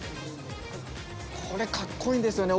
これかっこいいんですよね